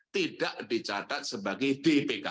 tidak dicatat sebagai bpk